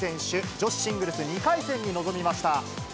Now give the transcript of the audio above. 女子シングルス２回戦に臨みました。